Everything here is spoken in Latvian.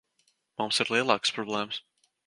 Mums ir lielākas problēmas.